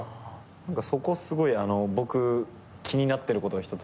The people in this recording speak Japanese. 何かそこすごい僕気になってることが一つあって。